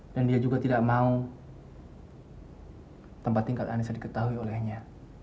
dan dia juga tidak mau tempat tingkat anissa diketahui olehnya